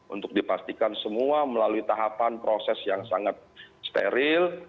untuk dipastikan semua melalui tahapan proses yang sangat steril